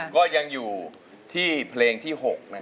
ก็ยังอยู่ที่เพลงที่๖